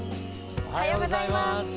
おはようございます！